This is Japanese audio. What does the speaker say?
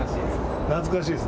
懐かしいです。